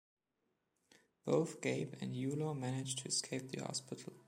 Both Gabe and Yulaw manage to escape the hospital.